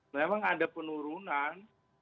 memang ada penurunan